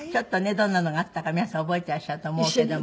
どんなのがあったか皆さん覚えていらっしゃると思うけども。